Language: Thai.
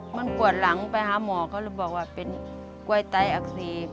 มันปวดหลังไปหาหมอเขาเลยบอกว่าเป็นกล้วยไตอักเสบ